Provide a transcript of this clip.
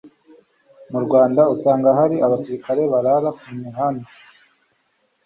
Mu Rwanda usanga hari abasirikare barara kumihanda